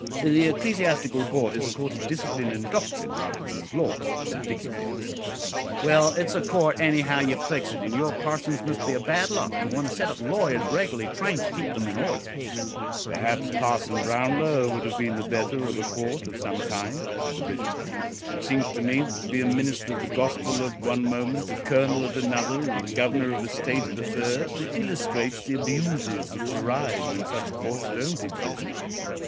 "The Ecclesiastical Court is a court of discipline and doctrine rather than of law," said Dickiefield. "Well, it's a court anyhow you fix it; and your parsons must be a bad lot to want a set of lawyers reg'larly trained to keep them in order." "Perhaps Parson Brownlow would have been the better of a court of some kind," said the Bishop. "It seems to me that to be a minister of the Gospel at one moment, a colonel at another, and the Governor of a State at a third, illustrates the abuses which arise when such courts don't exist.